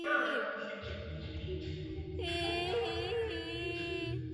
wakiwa majumbani na hata wengine wakiwa jiani